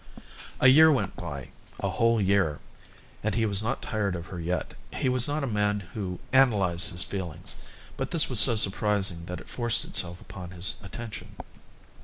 A year went by, a whole year, and he was not tired of her yet. He was not a man who analysed his feelings, but this was so surprising that it forced itself upon his attention.